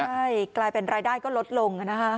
ใช่กลายเป็นรายได้ก็ลดลงนะฮะ